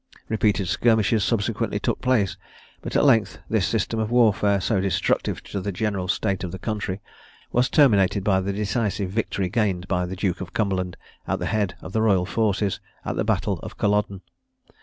Repeated skirmishes subsequently took place, but at length this system of warfare, so destructive to the general state of the country, was terminated by the decisive victory gained by the Duke of Cumberland, at the head of the Royal forces, at the battle of Culloden.